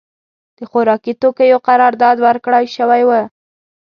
د خوارکي توکیو قرارداد ورکړای شوی و.